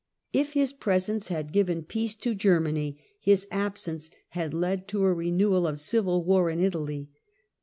If his presence had given peace to Germany, his absence had led to a renewal of civil war in Italy.